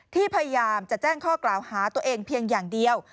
พยายามจะแจ้งข้อกล่าวหาตัวเองเพียงอย่างเดียว